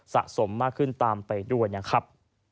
สะสมมากขึ้นตามไปด้วยนะครับ